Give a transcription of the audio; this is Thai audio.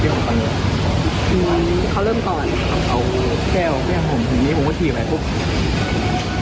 ถ้าอยู่กับพี่ก็ไม่รู้พยาบาลเรื่องอะไรก็เรียนกันมาดูถึงกับคน